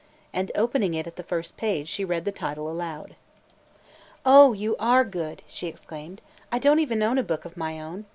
And opening it at the first page, she read the title aloud. "Oh, you are good!" she exclaimed. "I don't even own a book of my own.